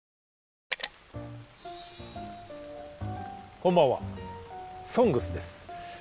こんばんは「ＳＯＮＧＳ」です。